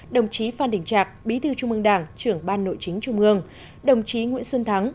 đồng chí phan đình trạc bí thư trung ương đảng trưởng ban nội chính trung ương đồng chí nguyễn xuân thắng